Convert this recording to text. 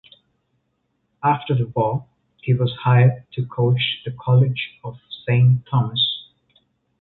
After the war, he was hired to coach the College of Saint Thomas.